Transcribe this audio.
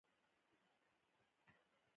هر وخت چې ډاکتر اجازه درکړه.